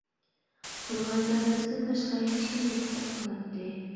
قورغاندا بىزدىن باشقا ھېچكىم يوقتەك قىلاتتى.